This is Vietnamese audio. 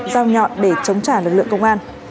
dao nhọn để chống trả lực lượng công an